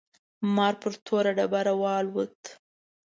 مار پر توره ډبره والوت.